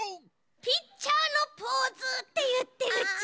「ピッチャーのポーズ」っていってるち！